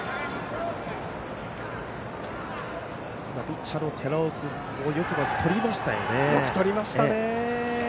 ピッチャーの寺尾君もよくとりましたよね。